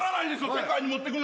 世界に持ってくのに。